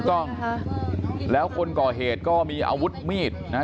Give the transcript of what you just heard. ถูกต้องค่ะแล้วคนก่อเหตุก็มีอาวุธมีดนะฮะ